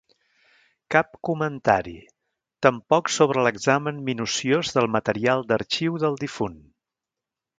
Cap comentari tampoc sobre l'examen minuciós del material d'arxiu del difunt.